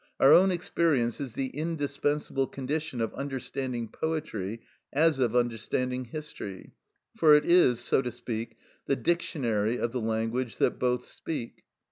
Our own experience is the indispensable condition of understanding poetry as of understanding history; for it is, so to speak, the dictionary of the language that both speak.